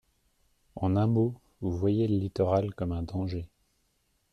En un mot, vous voyez le littoral comme un danger.